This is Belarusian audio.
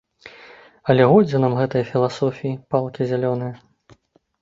Але годзе нам гэтае філасофіі, палкі зялёныя!